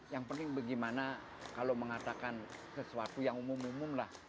yang penting bagaimana kalau mengatakan sesuatu yang umum umum lah